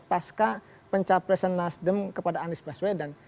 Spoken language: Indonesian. pasca pencapresan nasdem kepada anies baswedan